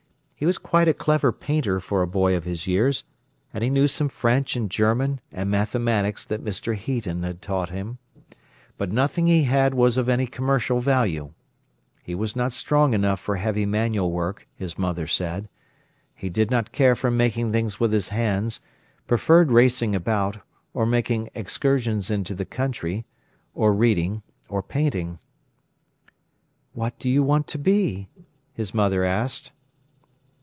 He was quite a clever painter for a boy of his years, and he knew some French and German and mathematics that Mr. Heaton had taught him. But nothing he had was of any commercial value. He was not strong enough for heavy manual work, his mother said. He did not care for making things with his hands, preferred racing about, or making excursions into the country, or reading, or painting. "What do you want to be?" his mother asked.